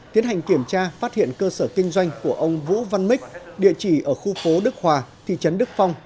tiến hành kiểm tra phát hiện cơ sở kinh doanh của ông vũ văn mích địa chỉ ở khu phố đức hòa thị trấn đức phong